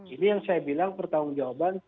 ini yang saya bilang pertanggung jawaban